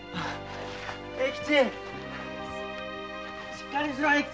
しっかりしろ永吉！